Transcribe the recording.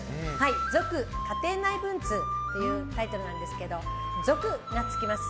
「続・家庭内文通」というタイトルなんですけど続が付きます。